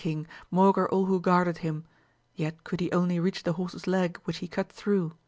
193 king, maugre all who guarded him, yet could he only reach the horse's leg, which he cut through.